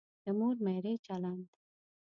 د مور میرې چلند.